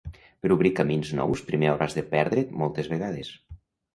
Per obrir camins nous primer hauràs de perdre't moltes vegades.